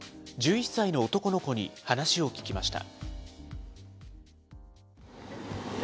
１１歳の男の子に話を聞きました。